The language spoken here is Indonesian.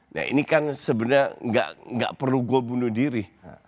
nah ini kan sebenarnya nggak perlu gue bunuh diri